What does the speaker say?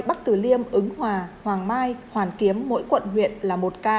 bắc từ liêm ứng hòa hoàng mai hoàn kiếm mỗi quận huyện là một ca